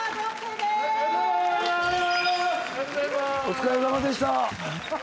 お疲れさまでした。